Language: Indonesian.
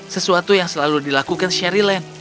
sesuatu yang selalu dilakukan sherry land